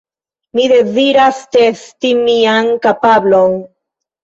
Mi deziras testi mian kapablon.